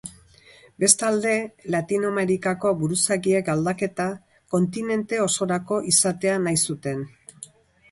Bestalde, Latinoamerikako buruzagiek aldaketa kontinente osorako izatea nahi zuten.